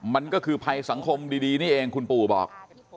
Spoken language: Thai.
มันก็คือภัยสังคมดีนี่เองคุณปู่บอก